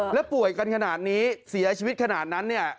แล้วป่วยกันขนาดนี้เสียชีวิตขนาดนั้นเนี่ย